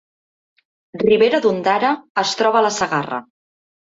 Ribera d’Ondara es troba a la Segarra